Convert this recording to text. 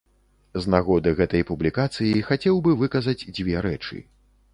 З нагоды гэтай публікацыі хацеў бы выказаць дзве рэчы.